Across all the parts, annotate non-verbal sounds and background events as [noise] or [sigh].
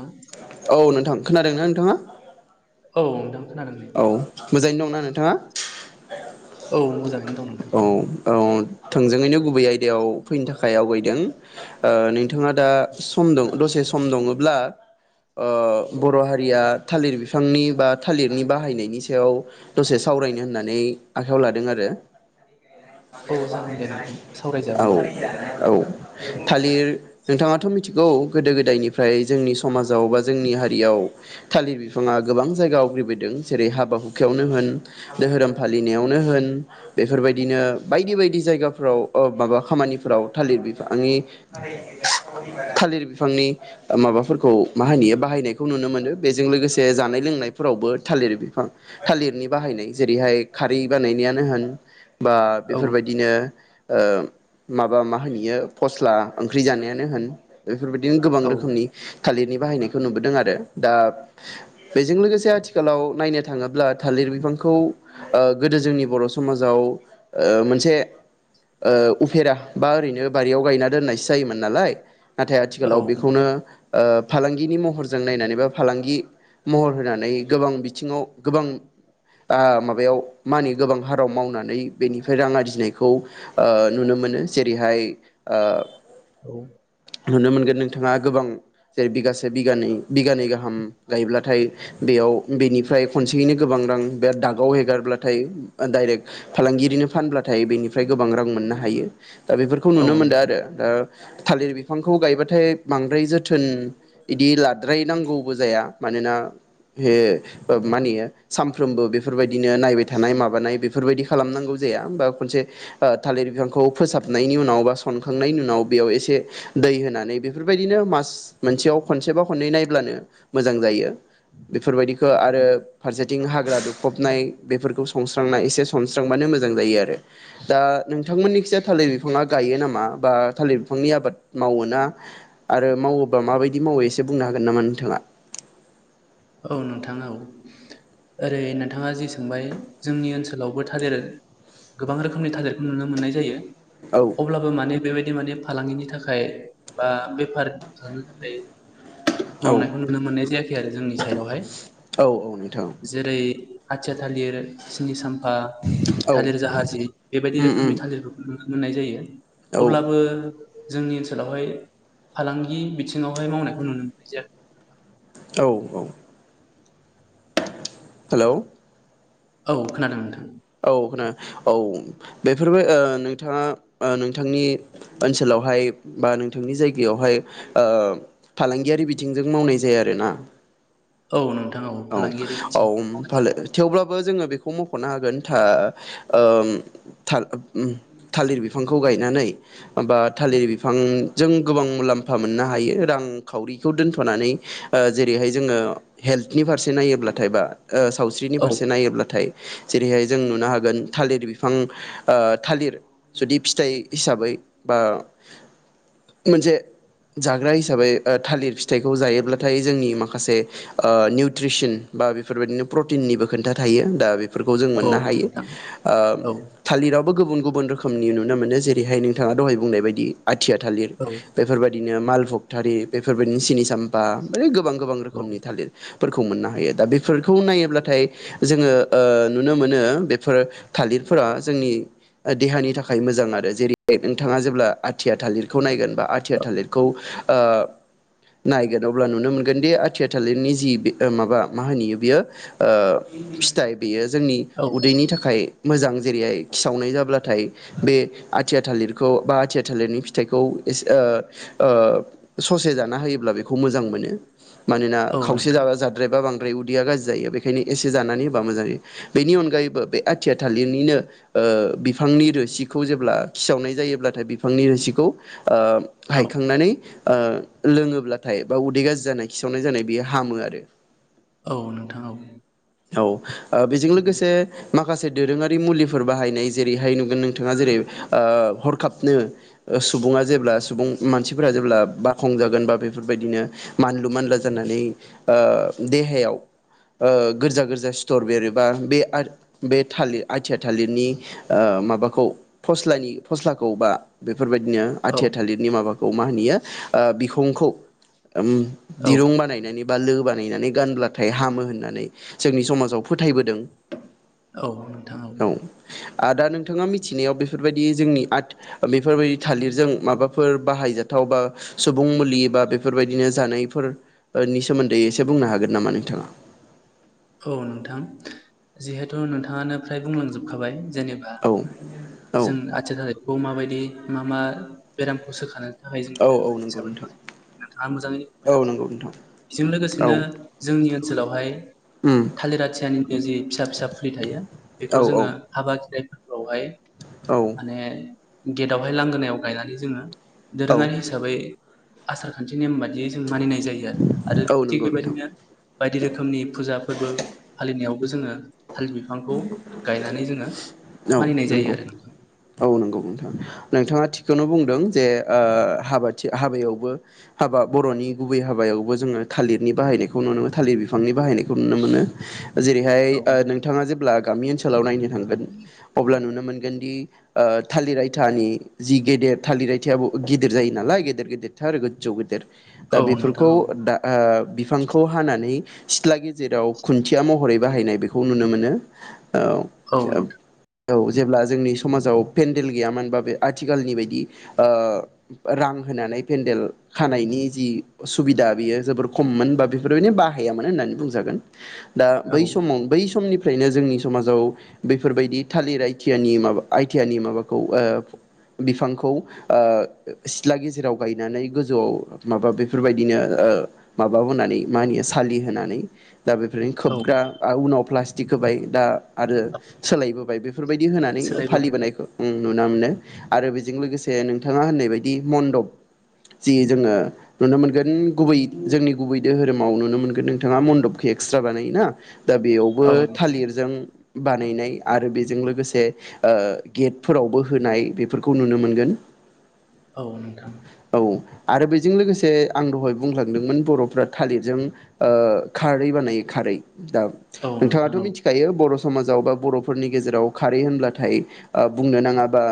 नोंथां औ नोंथां खोनादोंना नोंथाङा औ नोंथां खोनादों दे औ मोजांङैनो दंना नोंथाङा [unintelligible] औ मोजांङैनो दं नोंथां औ औ थोंजोङैनो गुबै आयदायाव फैनो थाखाय आवगायदों नोंथाङा दा सम दं दसे सम दंङब्ला बर' हारिया थालिर बिफांनि बा थालिरनि बाहायनायनि सायाव दसे सावरायनो होननानै आखायाव लादों आरो औ जागोन दे नोंथां [unintelligible] सावरायजागोन दे औ औ थालिर नोंथाङाथ मिथिगौ गोदो गोदायनिफ्राय जोंनि समाजाव बा जोंनि हारियाव थालिर बिफाङा गोबां जायगा आवग्रिबोदों जेरै हाबा हुखायावनो होन धोरोम फालिनायावनो होन बेफोरबायदिनो बायदि बायदि जायगाफोराव माबा खामानिफोराव थालिर बिफांनि थालिर बिफांनि माबाफोरखौ मा होनोयो बाहायनायखौ नुनो मोनो बेजों लोगोसे जानाय लोंनायफोरावबो थालिर बिफां थालिरनि बाहायनाय जेरैहाय खारै बानायनायानो होन बा औ बेफोरबायदिनो ओ माबा मा होनो बेयो फस्ला ओंख्रि जानायानो होन बेफोरबायदिनो गोबां औ रोखोमनि थालिरनि बाहायनायखौ नुबोदों आरो दा बेजों लोगोसे आथिखालाव नायनो थाङोब्ला थालिर बिफांखौ गोदो जोंनि बर' समाज आव मोनसे उफेरा बा ओरैनो बारियाव गायना दोननायसो जायोमोन नालाय नाथाय आथिखालाव औ बेखौनो ओ फालांगिनि महरजों नायनानै बा फालांगि महर होनानै गोबां बिथिंङाव गोबां माबायाव मानि गोबां हार आव मावनानै बेनिफ्राय रां आरजिनायखौ नुनो मोनो जेरैहाय ओ औ नुनो मोनगोन नोंथांङा गोबां जेरै बिगासे बिगानै बिगानै गाहाम गायब्लाथाय बेयाव बेनिफ्राय खनसेयैनो गोबां रां बेराद दागाव हेगारब्लाथाय डाइरेक्ट फालांगिरिनो फानब्लाथाय बेनिफ्राय गोबां रां मोननो हायो दा बेफोरखौ औ नुनो मोनदों नोंथां आरो दा थालिर बिफांखौ गायबाथाय बांद्राय जोथोन इदि लाद्रायनांगौबो जाया मानोना बे औ मानियो सानफ्रोमबो बे बेफोरबायदिनो नायबाय थानाय माबा माबानाय बेफोरबायदि खालामनांगौ जाया बा खनसे थालिर बिफांखौ फोसाबनायनि उनाव बा सनखांनायनि उनाव बेयाव एसे दै होनानै बेफोरबायदिनो मास मोनसेयाव खनसेबा खननै नायब्लानो मोजां जायो बेफोरबायदिखौ आरो फारसेथिं हाग्रा दु फबनाय बेफोरखौ सनस्रांना एसे सस्रांबानो मोजां जायो आरो दा नोंथांमोननिखिया थालिर बिफाङा गायो नामा बा थालिर बिफांनि आबाद मावोना आरो मावोबा माबायदि मावो एसे बुंनो हागोन नामा नोंथाङा औ नोंथां औ ओरै नोंथाङा जि सोंबाय जोंनि ओनसोलावबो थालेर गोबां रोखोमनि थालेरखौ नुनो मोननाय जायो औ अब्लाबो माने बेबायदि बेबादि माने फालांगिनि थाखाय बा बेफार खालामनो थाखाय औ मावनायखौ नुनो मोननाय जायाखै आरो जोंनिजों सायदहाय औ औ नोंथां जेरै आथिया थालिर स्नि साम ओ औ थालिर जाहाजि बेबायदि उम उम रोखोमनि थालिरफोरखौ नुन मोननाय जायो। औ अब्लाबो जोंनि ओनसोलावहाय फालांगि बिथिङावहाय मावनायखौ नुनो मोनो जों औ औ। हेलौ औ खोनादों नोंथां। औ खोना औ बेफोरबो ओ नोंथाङा ओ नोंथांनि ओनसोलावहाय बा नोंथांनि जायगायावहाय ओ फालांगियारि बिथिंजों मावनाय जाया आरोना। औ नों औ अम फालो थेवब्लाबो बो जोङो बेखौ मखनो हागोन था ओम थाल ओम थालिर बिफांखौ गायनानै बा थालिर बिफांजों गोबां मुलाम्फा मोननो हायो रांखावरिखौ दोनथनानै जेरैहाय जोङो हेल नि फारसे नायोब्लाथायबा ओ सावस्रिनि फारसे औ नायोब्लाथाय जेरैहाय जों नुनो हागोन थालिर बिफां ओ थालिर जुदि फिथाइ हिसाबै बा मोनसे जाग्रा हिसाबै थालिर फिथाइखौ जायोब्लाथाय जोंनि माखासे ओ निउट्रिसन बा बेफोरबायदिनो प्रटिननिबो खोन्था थायो दा बे फोरखौ जों औ मोननो हायो नोंथां ओ औ थालिराव बो गुबुन‌ गुबुन रोखोमनि नुनो मोनो जेरैहाय नोंथाङा दहाय बुंनाय बायदि आथिया थालिर औ बेफोरबायादि निया माल बखारि बेफोर बादिनो सिनि सामबा है गोबां गोबां औ रोखोमनि थालिर फोरखौ मोननो हायो दा बेफोरखौ नायोब्लाथाय जोङो ओ नुनो मोनो बेफोर थालिरफोरा जोंनि देहानि थाखाय मोजां आरो जेरैह नोंथाङा जेब्ला आथिया थालिरखौ नायगोन बा आथियार थालिरखौ ओ नायगोन अब्ला नुनो मोनगोनदि आथिया थालिरनि जि बिखो माबा मा होनोयो बियो ओ थाय बेयो जोंनि औ उदैनि थाखाय मोजां। जेरैहाय खिसावनाय जाब्लाथाय बे आथिया थालिरखौ बा आथिया थालिरनि फिथाइखौ एसे ओ ओ ससे जाना होयोब्ला बेखौ मोजां मोनो। मानोना औ खावसे नोंथां जाबा जाद्रायबा बां बे उदैया गाज्रि जायो बेनिखायनो एसे जानानै होबा मोजायो बेनि अनगायैबो बे आथिया थालिरनिनो ओ बिफांनि रोसिखौ जेब्ला खिसावनाय जायोब्लाथाय बिफांनि रोसिखौ ओ औ हायखांनानै ओ लोङोब्लाथाय बा उदै गाज्रि जानाय खिसावनाय जानाय बियो हामो आरो। औ नोंथां औ औ ओ बेजों लोगोसे माखासे दोरोङारि मुलिफोर बाहायनाय जेरैहाय नुगोन नोंथाङा जेरै ओ हरखाबनो ओ सुबुङा जेब्ला सुबुं मानसिफोरा जेब्ला बाखंजागोन बा बेफोरबायदिनो मानलु मानला जानानै ओ देहायाव ओ गोरजा गोरजा सिथर' बेरोबा बे बे थालिर आथिया थालिरनि ओ माबाखौ फस्लानि फस्लाखौ बा बे बेफोरबायदिनो औ आथिया थालिरनि माबा खौ मा होनोयो ओ बिखंखौ ओम औ दिरुं बानायनानै बा लो बानायनानै गानब्लाथाय हामो होननानै जोंनि समाजाव फोथायबोदों। औ नोंथां औ आदा नोंथाङा मिथिनायाव बेफोरबायदि जोंनि आत बेफोरबायदि थालिरजों माबाफोर बाहायजाथाव बा सुबुं मुलि बा बेफोरबायदिनो जानायफोरनि सोमोन्दै एसे बुंनो हागोन नामा नोंथाङा? औ नोंथां जिहेथु नोंथाङानो फ्राय बुंलांजोबखाबाय। जेनेबा औ औ जों आथिया थालिर खौ माबायदि मा मा बेरामखौ सोखानो थाखाय जों औ औ दोरोङारि नंगौ हिसाबै नोंथां बाहायो नोंथाङा मोजाङैनो औ नंगौ फोरमायलांजोबबाय नोंथां बेजों औ लोगोसेनो जोंनि ओनसोलावहाय उम थालिर आथियानि बे जि फिसा फिसा फुलि थायो औ बेखौ औ जोङो हाबा [unintelligible] बेवहाय औ माने गेटआवहाय लांगोनायाव गायनानै जोङो औ दोरोङारि हिसाबै आसारखान्थि नेम बादियै जों मानिनाय जायो आरो आरो औ थिग नंगौ नोंथां बेबायदिनो बायदि रोखोमनि फोरबो फालि नियावबो जोङो थालिर बिफांखौ गायनानै जोङो औ मानिनाय जायो नंगौ आरो नोंथां औ नंगौ नोंथाङा। नोंथाङा थिखौनो बुंदों। जे ओ हाबाथि हाबायावबो हाबा बर'नि गुबै हाबायावबो जोङो थालिरनि बाहायनायखौ नुनो मोनो। थालिर बिफांनि बाहायनायखौ नुनो मोनो। जेरैहाय औ ओ नोंथां नों जेब्ला गामि ओनसोलाव नायनो थांगोन अब्ला नुनो मोनगोनदि ओ थालिर आयथानि जि गेदेर थालिर आयथाबो गिदिर जायो नालाय गेदेर गेदेरथार आरो गोजौ गोदोर। दा औ नोंथां बेफोरखौ औ दा ओ बिफांखौ हानानै सिथ्ला गेजेराव खुन्थिया महरै बाहायनाय बेखौ नुनो मोनो। नो औ औ जेब्ला जोंनि समाजाव पेन्देल गैयामोन बा बे आथिखालनि बायदि ओ रां होनानै पेन्देल खानायनि जि सुबिदा बेयो जोबोर खममोन बा बेफोरैनो बाहायामोन होननानै बुंजागोन। दा औ बै समाव बै समनि ओफ्रायनो जोंनि समाजाव बेफोरबायदि थालिर आइथियानि माबा आइथियानि माबाखौ अ बिफांखौ अ सिथ्ला गेजेराव गायनानै गोजौआव माबा बेफोरबायदिनो माबा होनानै मा होनो सालि होनोनानै दा बेफोरनो औ खोबग्रा उनाव प्लास दिखोबाय दा आरो औ सोलायबोबाय बेफोरबायदि होनानै सोलायबोबाय फालिबोनायखौ ओम। नुनो मोनो आरो बेजों लोगोसे नोंथाङा होननाय बायदि मन्दप जि जोङो नुनो मोनगोन गुबै जोंनि गुबै दोहोरोमाव नुनो मोनगोन नोंथाङा मन्दपखौ एक्सट्रा बानायोना। दा बेयावबो औ नोंथां थालिरजों बानायनाय आरो बेजों लोगोसे आ गेटफोरावबो होनाय बेफोरखौ नुनो मोनगोन। औ नोंथां औ आरो बेजों लोगोसे आं दहाय बुंलांदोंमोन बर'फ्रा थालिरजों अ खारै बानायो खारै दा औ नोंथां नोंथाङा औ मिथिखायो बर' समाजाव बा बर'फोरनि गेजेराव खारै होनब्लाथाय आ बुंनो नाङा बा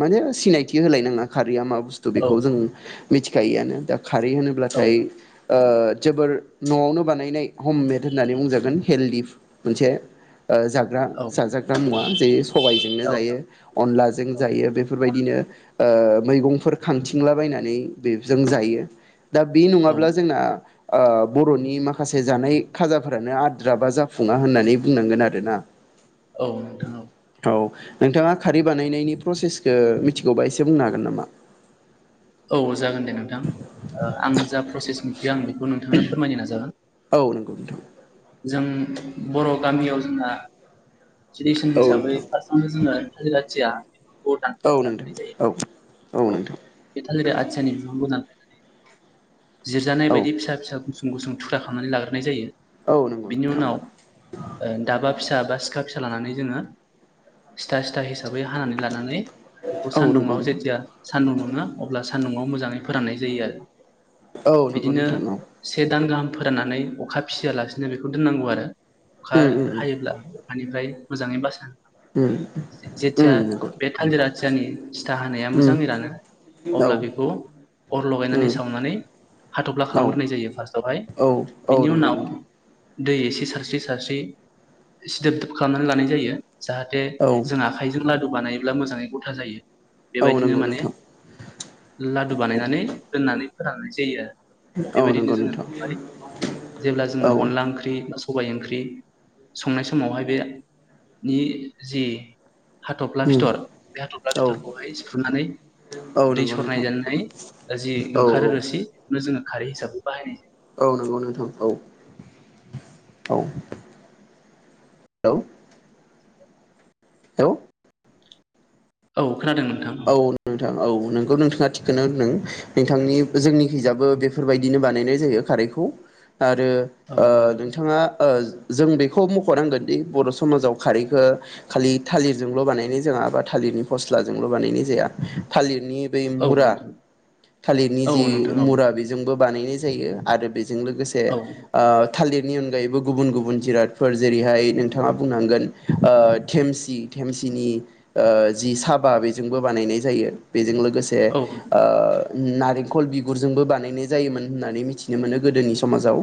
माने सिनायथि होलायनाङा खारैया मा बुस्थु औ बेखौ जों मिथि खायोआनो दा खारै होनोब्लाथाय ओ जोबोर न'आवनो बानायनाय हममेड होननानै बुंजागोन हेल्डि मोनसे ओ जाग्रा औ जाजाग्रा मुवा जेर सबायजोंनो औ जायो अनलाजों औ जायो बेफोरबायदिनो ओ मैगंफोर खांथिंलाबायनानै बेजों जायो। दा बे नङाब्ला जोंना आ बर'नि माखासे जानाय खाजाफोरानो आद्रा बा जाफों फङा होननानै बुंनांगोन आरोना। औ नोंथां औ। औ नोंथाङा खारै बानायनायनि प्रसेसखौ मिथिगौबा एसे बुंनो हागोन नामा। औ जागोन दे नोंथां आं जा प्रसे जेसेबांखि आं बेखौ नोंथांनो फोरमायनो नाजागोन। औ नंगौ नोंथां। जों बर' गामियाव जोंहा ट्रेदिसन औ हिसै नोंथां फार्स्टआवनो जोङो थालिर आथिया बिफांखौ औ दाननाय नोंथां जायो औ। औ नोंथां बे थालिर आथियानि बिफांखौ [unintelligible] औ। जिरजानाय औ बायदि फिसा फिसा गुसुं थुख्रा खामनानै लाग्रोनाय जायो। औ नंगौ बिनि नोंथां उनाव ओ दाबा फिसा बा सिखा फिसा लानानै जोङो स्था स्था हिसाबै हानानै लानानै बेखौ औ नंगौ सान्दुङाव नोंथां जेतिया सान्दुं दुङो अब्ला सान्दुङआव मोजाङै फोराननाय जायो आरो औ नंगौ बिदिनो नोंथां औ से दान गाहाम फोराननानै अखा फिसियालासिनो बेखौ दोननांगौ आरो अखा उम उम हायोब्ला। अखानिफ्राय मोजाङै बासि नांगो। उम उम जेथिया नंगौ बे थालिर आथियानि स्था हानाया मो उम मोजाङै रानो औ अब्ला बेखौ अर लगायनानै उम सावनानै हाथब्ला औ खालामग्रोनाय जायो फार्स्टावहाय। औ औ बिनि नंगौ उनाव नोंथां दै एसे सारस्रि सारस्रि सिदोब खालामनानै लानाय जायो। जाहाथे औ जों आखाइजों ला दु बानायोब्ला मोजाङै गथा जायो। औ बेबाय दिनो नंगौ माने नोंथां लादु बानायनानै दोननानै फोराननाय जायो। औ बेबायदिनो नंगौ जोङो नोंथां बेखौहाय जेब्ला जोङो औ अनला ओंख्रि सबाय ओंख्रि संनाय समावहाय बेनि जि हाथफ्ला उम फिथर बे हाथ'फ्ला औ फिथरखौहाय थुनानै औ दै नंगौ सरनाय नोंथां जानानै जि औ औ ओंखारो रोसि नो जोङो। खारै हिसाबै बाहायनाय औ नंगौ नोंथां औ औ [unintelligible] औ। औ। खोनादों नोंथां। औ नोंथां औ नोंगौ नोंथाङा थिखोननो होनदों। नोंथांनि जोंनिखैजाबो बेफोरबायदिनो बानायनाय जायो खारैखौ। आरो औ ओ नोंथां नोंथाङा जों बेखौ मख'नांगोन दि बर' समाजाव खारैखो खालि थालिरजोंल' बानायनाय जोंङो बा थालिरनि फस्लाजों ल' बानाय नाय जाया थालिर नि बे औ मुरा नोंथां थालिरनि औ जि नोंथां औ मुरा बे जोंबो बानायनाय जायो आरो बे जों लोगोसे औ आ थालिरनि अनगायैबो गुबुन गुबुन जिरादफोर जेरैहाय नोंथांङा बुंनांगोन ओ थेमसि थेमसिनि ओ जि साबा बे जोंबो बानायनाय जायो बेजों लोगोसे लोगोसे औ ओ उम नारेंखल बिगुरजोंबो बानायनाय जायोमोन होननानै मिथिनो मोनो गोदोनि समाजाव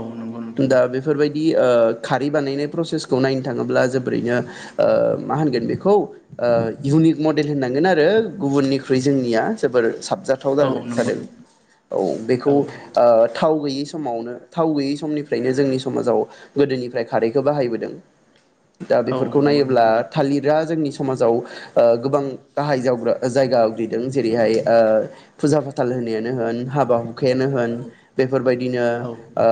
औ नंगौ नोंथां दा बेफोरबायदि दि ओ खारै बानायनाय प्रसेसखौ नायनो थांङोब्ला जोबोरैनो ओ मा होनगोन बेखौ ओ इउनिक मडेल होननांगोन आरो गुबुननिख्रुइ जोंनिया जोबोर साब जाथाव औ नंगौ जा-जादों नोंथां औ बेखौ औ आ थाव गैयै समावनो थाव गैयै समनिफ्रायनो जोंनि समाजाव गोदोनिफ्राय खारैखौ बाहायबोदों। दा औ बेफोरखौ नंगौ नायोब्ला नोंथां थालिरा जोंनि समाजाव ओ गोबां गाहाय जावग्रा जायगा आवग्रिदों जेरैहाय ओ फुजा फाथाल होनायानो होन हाबा हु खायानो होन औ बेफोरबायदिनो औ ओ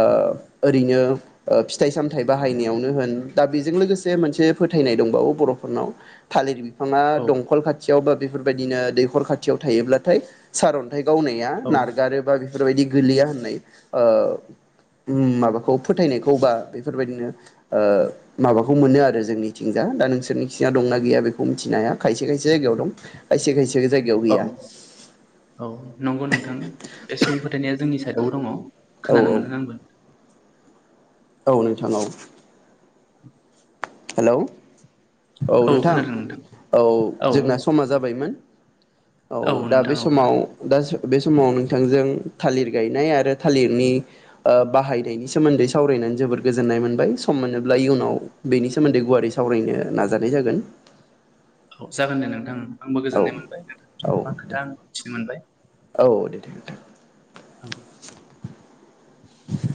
ओरैनो ओ फिथाइ सामथायाइ बाहायनायावनो होन दा बेजों लोगोसे मोनसे फोथायनाय दंबावो बर'फोरनाव थालिर बि फांङा औ दंखल खाथियावबो बेफोरबायदिनो दैखर खाथियाव थायोब्लाथाय सारन थाय गावनाया औ नारगारोबा बेफोरबायदि गोलैया होननाय ओ उम माबाखौ फोथायनायखौ बा बेफोरबायदिनो ओ औ माबाखौ मोनो आरो जोंनि थिंजा दा नोंसोरनिथिंजा दंना गैया बे बुंथिनो हाया खायसे खायसे जायगायाव दं खायसे खायसे बे जायगायाव औ गैया। औ नंगौ नोंथां बे सुबुं फोथायनाया जोंनि साइडआवबो दंङ। औ खोनानो मोनदों आंबो औ नोंथां औ। हेलौ। औ औ नोंथां खोनादों औ जोंना समा जाबायमोन। औ औ दा बे नोंथां औ समाव दा जों बे समाव नोंथांजों थालिर गायनाय आरो थालिरनि ओ बाहायनायनि सोमोन्दै सावरायनानै जोबद गोजोननाय मोनबाय सम मोनोब्ला इयुनाव बेनि सोमोन्दै गुवारै सावरायनो नाजानाय जागोन। औ जागोन दे नोंथां उम। आंबो औ गोजोननाय मोनबाय नोंथांनिफ्राय औ गोबां दे खोथा आं मिथिनो मोनबाय। औ दे दे नोंथां औ [inaudible]